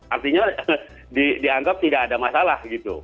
artinya dianggap tidak ada masalah gitu